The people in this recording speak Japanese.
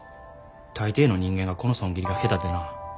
大抵の人間がこの損切りが下手でなぁ。